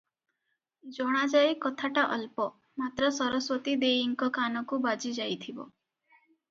ଜଣାଯାଏ କଥାଟା ଅଳ୍ପ; ମାତ୍ର ସରସ୍ଵତୀ ଦେଈଙ୍କ କାନକୁ ବାଜି ଯାଇଥିବ ।